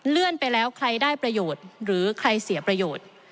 ไปแล้วใครได้ประโยชน์หรือใครเสียประโยชน์